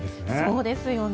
そうですよね。